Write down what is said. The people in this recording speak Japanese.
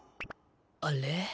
あれ？